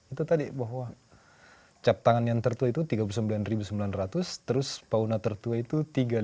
itu tadi bahwa cap tangan yang tertua itu tiga puluh sembilan sembilan ratus terus fauna tertua itu tiga ratus